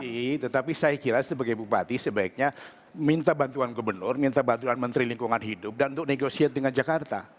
dki tetapi saya kira sebagai bupati sebaiknya minta bantuan gubernur minta bantuan menteri lingkungan hidup dan untuk negosiasi dengan jakarta